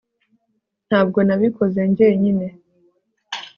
ntabwo nabikoze njyenyine